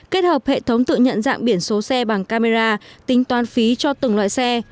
kết hợp hệ thống tự nhận dạng biển số xe bằng camera tính toán phí cho từng loại xe